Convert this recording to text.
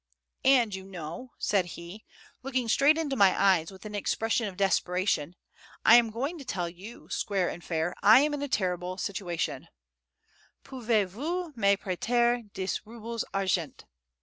And you know," said he, looking straight into my eyes with an expression of desperation, "I am going to tell you, square and fair, I am in a terrible situation: pouvez vous me preter dix rubles argent?